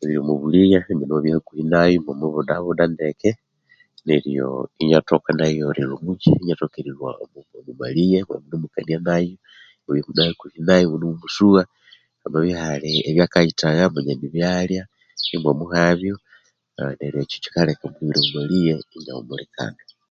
Eyiri omwabulighe angumbi iwabya hakuhi nayo iwamubudabuda ndeke neryoo iniathoka nayo erilhwa omwa malighe kundi ghunemukania nayo ghune hakuhi nayo ghunemumusugha hamabya ihali ebyakayithagha manya nibyalya imwamuhabyo neryo ekyo kyikaleka omundu oyuli omu malighe inyahumulikana